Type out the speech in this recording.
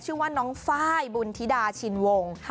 ชื่อว่าน้องไฟล์บุญธิดาชินวง